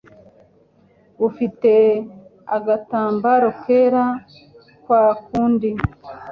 bufite agatambaro kera kwa kundi,